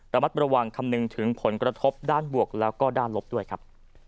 ระมัดระวังคำนึงถึงผลกระทบด้านบวกแล้วก็ด้านลบด้วยครับ